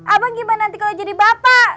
abang gimana nanti kalau jadi bapak